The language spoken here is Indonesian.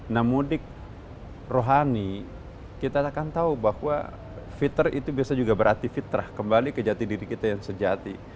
nah mudik rohani kita akan tahu bahwa fitrah itu biasanya juga berarti fitrah kembali ke jati diri kita yang sejati